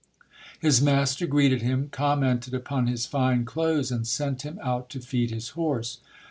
His mas ter greeted him, commented upon his fine clothes and sent him out to feed his horse.